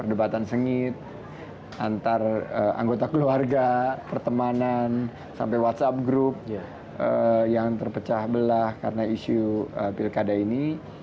perdebatan sengit antar anggota keluarga pertemanan sampai whatsapp group yang terpecah belah karena isu pilkada ini